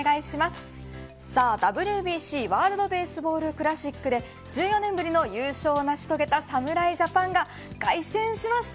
ＷＢＣワールドベースボールクラシックで１４年ぶりの優勝を成し遂げた侍ジャパンが凱旋しました。